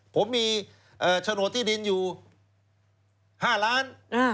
ผมมีโฉนดที่ดินอยู่๕ล้าน